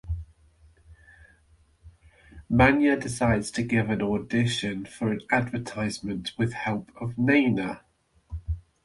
Manya decides to give an audition for an advertisement with the help of Naina.